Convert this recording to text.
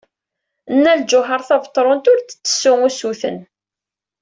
Nna Lǧuheṛ Tabetṛunt ur d-tettessu usuten.